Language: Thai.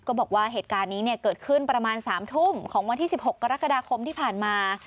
บอกว่าเหตุการณ์นี้เนี่ยเกิดขึ้นประมาณ๓ทุ่มของวันที่๑๖กรกฎาคมที่ผ่านมา